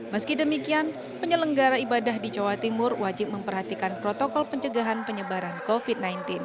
meski demikian penyelenggara ibadah di jawa timur wajib memperhatikan protokol pencegahan penyebaran covid sembilan belas